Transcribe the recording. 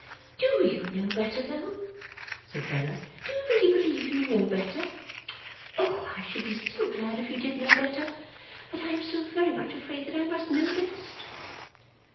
'DO you know better though?' said Bella. 'Do you really believe you know better? Oh, I should be so glad if you did know better, but I am so very much afraid that I must know best!